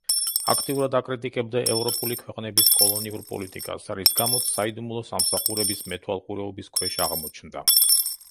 აქტიურად აკრიტიკებდა ევროპული ქვეყნების კოლონიურ პოლიტიკას, რის გამოც საიდუმლო სამსახურების მეთვალყურეობის ქვეშ აღმოჩნდა.